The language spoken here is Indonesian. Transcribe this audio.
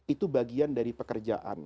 itu bagian dari pekerjaan